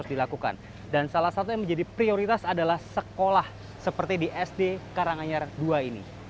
dilakukan dan salah satu yang menjadi prioritas adalah sekolah seperti di sd karanganyar dua ini